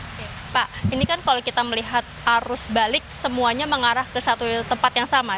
jadi pak ini kan kalau kita melihat arus balik semuanya mengarah ke satu tempat yang sama